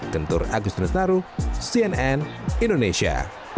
kentur agus nestaru cnn indonesia